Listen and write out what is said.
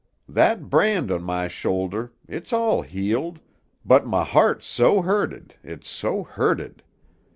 That brand on my shoulder, it's all healed, but my heart's so hurted, it's so hurted.